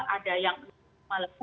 ada yang tidak dites sama sekali